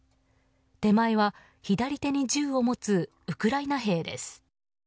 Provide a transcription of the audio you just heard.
手前は、左手に銃を持つウクライナ兵です。